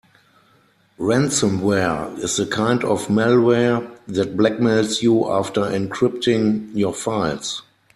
Ransomware is the kind of malware that blackmails you after encrypting your files.